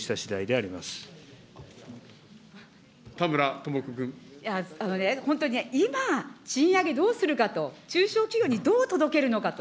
あのね、本当にね、今、賃上げどうするかと、中小企業にどう届けるのかと。